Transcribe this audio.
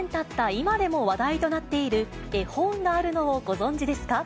今でも話題となっている絵本があるのをご存じですか。